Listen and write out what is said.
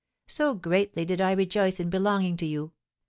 So greatly did I rejoice in belonging to you.